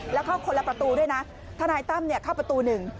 แล้วเข้าคนละประตูด้วยนะทนายตั้มเข้าประตูหนึ่ง